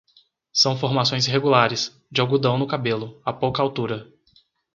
São formações regulares, de algodão no cabelo, a pouca altura.